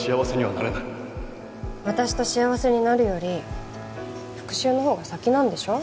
私と幸せになるより復讐のほうが先なんでしょ？